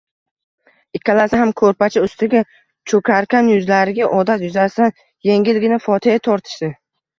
Ikkalasi ham ko`rpacha ustiga cho`karkan, yuzlariga odat yuzasidan engilgina fotiha tortishdi